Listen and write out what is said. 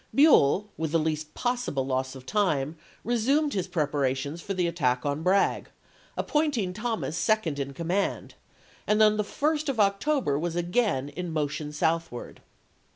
Buell, with the least possible loss of time, resumed his prepara tions for the attack on Bragg, appointing Thomas second in command, and on the 1st of October was i862. again in motion southward.